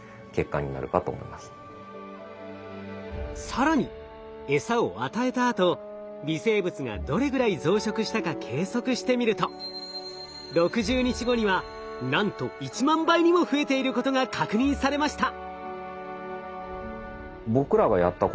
更にエサを与えたあと微生物がどれぐらい増殖したか計測してみると６０日後にはなんと１万倍にも増えていることが確認されました。